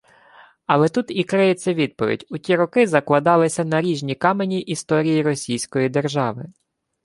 Але тут і криється відповідь: у ті роки закладалися наріжні камені історії Російської держави